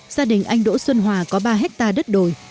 gia đình anh đỗ xuân hòa có ba hectare đất đồi